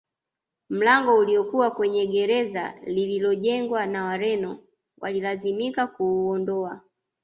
Mlango uliokuwa kwenye gereza lililojengwa na Wareno walilazimika kuuondoa